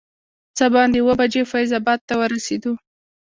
څه باندې اووه بجې فیض اباد ته ورسېدو.